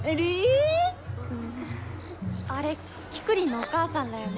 あれキクリンのお母さんらよね。